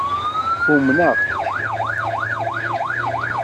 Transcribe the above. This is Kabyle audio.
Umnaɣ-k